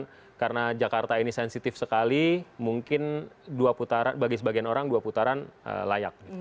dua putaran karena jakarta ini sensitif sekali mungkin bagi sebagian orang dua putaran layak